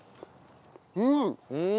うん。